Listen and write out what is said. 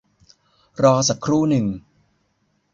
รอสักครู่หนึ่ง